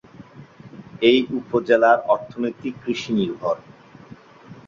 এ উপজেলার অর্থনীতি কৃষি নির্ভর।